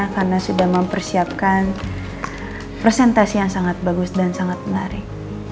karena sudah mempersiapkan presentasi yang sangat bagus dan sangat menarik